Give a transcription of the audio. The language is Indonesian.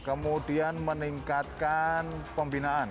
kemudian meningkatkan pembinaan